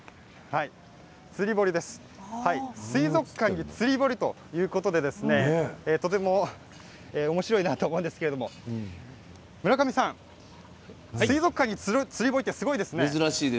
水族館に釣堀ということでとてもおもしろいなと思うんですけれど村上さん、水族館に釣堀って珍しいですね。